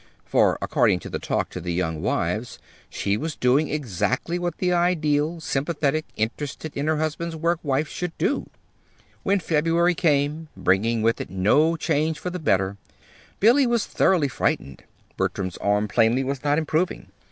For, according to the "Talk to Young Wives," she was doing exactly what the ideal, sympathetic, interested in her husband's work wife should do. When February came, bringing with it no change for the better, Billy was thoroughly frightened. Bertram's arm plainly was not improving.